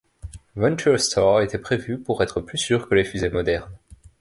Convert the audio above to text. VentureStar était prévu pour être plus sûr que les fusées modernes.